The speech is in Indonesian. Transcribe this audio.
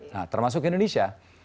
nah termasuk indonesia